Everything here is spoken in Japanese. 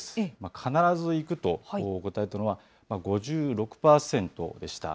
必ず行くと答えたのは５６％でした。